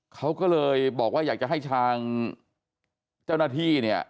เขาก็เลยบอกว่าอยากจะให้ทางเจ้าหน้าที่เนี่ย